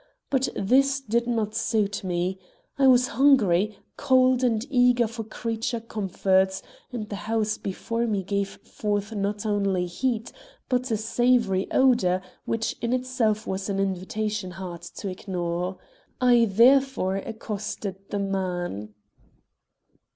But this did not suit me. I was hungry, cold, and eager for creature comforts, and the house before me gave forth not only heat, but a savory odor which in itself was an invitation hard to ignore. I therefore accosted the man.